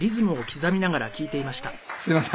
すいません。